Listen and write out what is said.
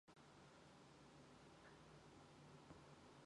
Үүнээс үзвэл саналын гурван багцыг бидэнд өгч байгааг ажиглав.